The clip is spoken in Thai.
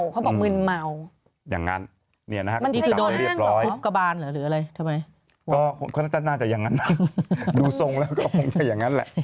ก็น่าจะอย่างนั้นนะดูทรงแล้วก็คงจะอย่างนั้นแหละ